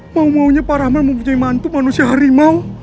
mau maunya pak rahman mempunyai mantu manusia harimau